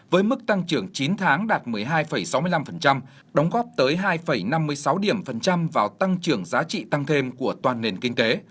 với mức tăng trưởng chín tháng đạt một mươi hai sáu mươi năm đóng góp tới hai năm mươi sáu điểm phần trăm vào tăng trưởng giá trị tăng thêm của toàn nền kinh tế